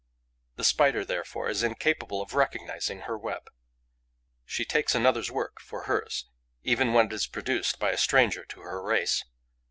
The Spider, therefore, is incapable of recognizing her web. She takes another's work for hers, even when it is produced by a stranger to her race.